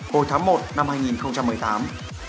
hồi tháng một năm hai nghìn một mươi tám